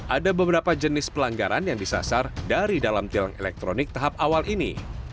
ada beberapa jenis pelanggaran yang disasar dari dalam tilang elektronik tahap awal ini